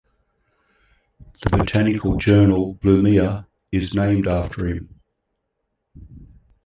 The botanical journal "Blumea" is named after him.